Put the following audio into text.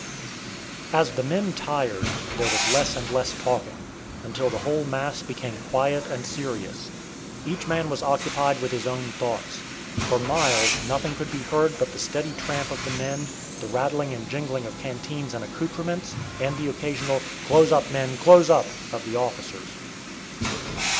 As the men tired, there was less and less talking, until the whole mass became quiet and serious. Each man was occupied with his own thoughts. For miles nothing could be heard but the steady tramp of the men, the rattling and jingling of canteens and accoutrements, and the occasional "Close up, men, close up!" of the officers.